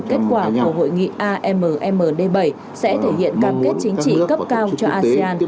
kết quả của hội nghị ammd bảy sẽ thể hiện cam kết chính trị cấp cao cho asean